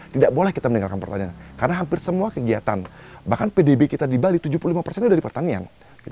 tidak boleh kita meninggalkan pertanian karena hampir semua kegiatan bahkan pdb kita di bali tujuh puluh lima ini sudah dipertanian